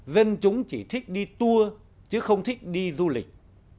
dân chúng chỉ thích đi tour chứ không thích đi du lịch